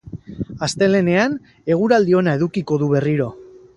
Astelehenean eguraldi ona edukiko du berriro.